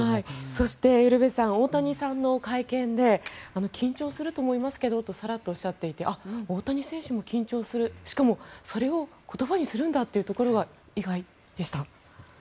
そしてウルヴェさん大谷さんの会見で緊張すると思いますけどとさらっておっしゃっていて大谷選手も緊張するしかもそれを言葉にするんだっていうところは意外でした。